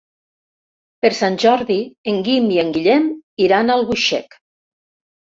Per Sant Jordi en Guim i en Guillem iran a Albuixec.